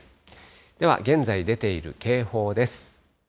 では、現在出ている警報です。